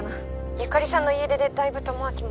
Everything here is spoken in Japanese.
由香里さんの家出でだいぶ智明も。